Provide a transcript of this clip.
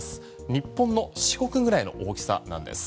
日本の四国ぐらいの大きさなんです。